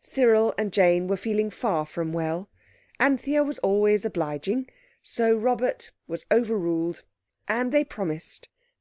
Cyril and Jane were feeling far from well, Anthea was always obliging, so Robert was overruled. And they promised.